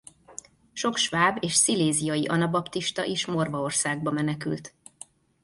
Sok sváb és sziléziai anabaptista is Morvaországba menekült.